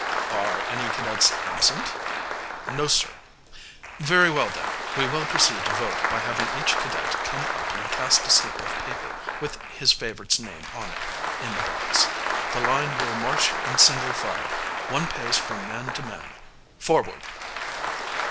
"Are any cadets absent?" "No, sir." "Very well then, we will proceed to vote by having each cadet come up and cast a slip of paper with his favorite's name on it in the box. The line will march in single file, one pace from man to man. Forward!"